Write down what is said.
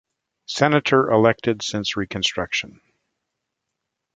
Senator elected since Reconstruction.